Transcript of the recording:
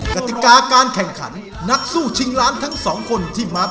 กติกาการแข่งขันนักสู้ชิงล้านทั้งสองคนที่มา